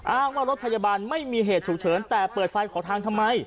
อ้างว่ารถพยาบาลไม่มีเหตุฉุกเฉินแต่เปิดไฟขอทางทำไม